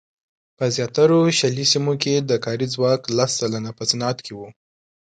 په زیاترو شلي سیمو کې د کاري ځواک لس سلنه په صنعت کې وو.